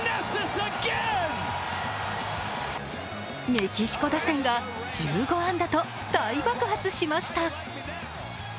メキシコ打線が１５安打と大爆発しました。